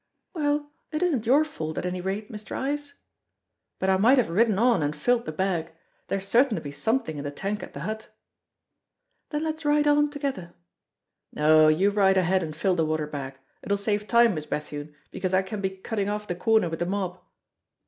"Well, it isn't your fault, at any rate, Mr. Ives." "But I might have ridden on and filled the bag; there's certain to be something in the tank at the hut." "Then let's ride on together." "No, you ride ahead and fill the water bag. It'll save time, Miss Bethune, because I can be cutting off the corner with the mob."